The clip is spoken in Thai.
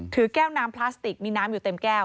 ถือแก้วน้ำพลาสติกมีน้ำอยู่เต็มแก้ว